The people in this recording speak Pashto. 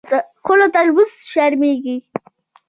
خو له تربور شرمېږي.